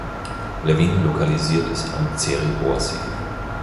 Levine lokalisiert es am Zeribor-See.